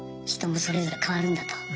人もそれぞれ変わるんだと。